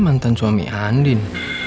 mantan suami andin